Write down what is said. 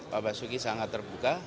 pak basuki sangat terbuka